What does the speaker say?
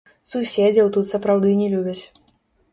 Суседзяў тут сапраўды не любяць.